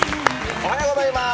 おはようございます。